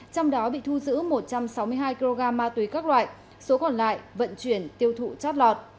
trong đó bị thu giữ một trăm sáu mươi hai kg ma túy các loại số còn lại vận chuyển tiêu thụ chất lọt